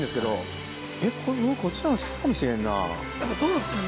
やっぱそうですよね。